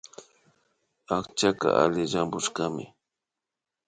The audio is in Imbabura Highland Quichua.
Akchaka alli llampushkami